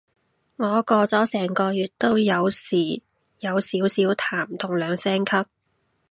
我過咗成個月都有時有少少痰同兩聲咳